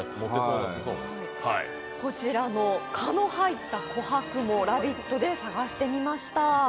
こちらの蚊の入った琥珀も「ラヴィット！」で探してみました。